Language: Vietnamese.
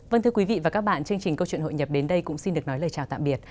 vâng thưa quý vị và các bạn chương trình câu chuyện hội nhập đến đây cũng xin được nói lời chào tạm biệt